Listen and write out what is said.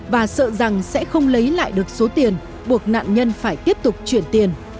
và sợ rằng sẽ không lấy lại được số tiền buộc nạn nhân phải tiếp tục chuyển tiền